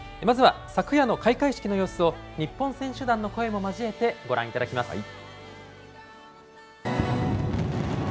まずは昨夜の開会式の様子を日本選手団の声も交えてご覧いただきます。